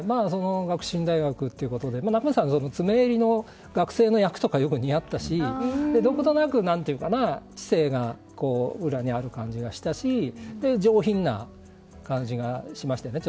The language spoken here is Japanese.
学習院大学ということで仲本さんは詰め襟の学生の役とかよく似合っていたしどことなく知性が裏にある感じがしたし上品な感じがしましたよね。